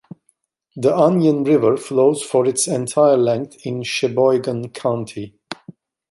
The Onion River flows for its entire length in Sheboygan County.